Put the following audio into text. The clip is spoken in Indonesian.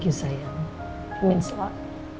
itu artinya banyak